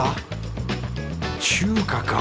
中華か？